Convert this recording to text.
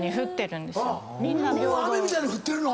運は雨みたいに降ってるの⁉